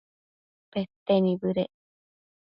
pete nibëdec